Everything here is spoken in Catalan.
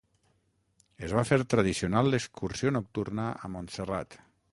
Es va fer tradicional l'excursió nocturna a Montserrat.